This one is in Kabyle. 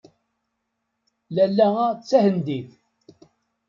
Lalla-a d tahendit.